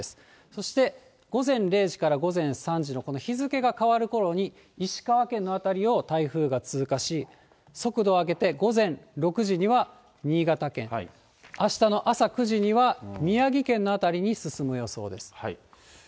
そして、午前０時から午前３時の、この日付が変わるころに、石川県の辺りを台風が通過し、速度を上げて、午前６時には新潟県、あしたの朝９時には宮城県の辺りに進む予想です。